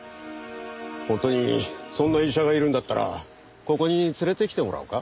本当にそんな医者がいるんだったらここに連れてきてもらおうか。